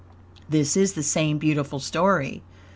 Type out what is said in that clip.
This is the same beautiful story.